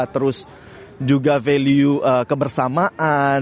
terus juga value kebersamaan